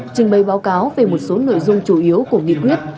trình bày báo cáo về một số nội dung chủ yếu của nghị quyết